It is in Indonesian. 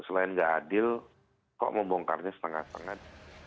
selain nggak adil kok membongkarnya setengah setengah